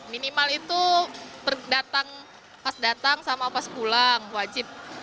minimal itu datang pas datang sama pas pulang wajib